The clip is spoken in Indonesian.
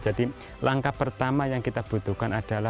jadi langkah pertama yang kita butuhkan adalah